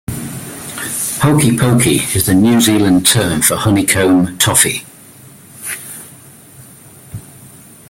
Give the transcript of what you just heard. Hokey pokey is the New Zealand term for honeycomb toffee.